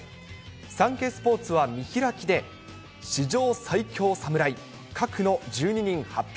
サンケイスポーツは、見開きで、史上最強侍、核の１２人発表。